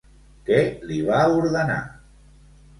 Què li va ordenar?